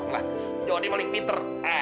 wah jodi maling pinter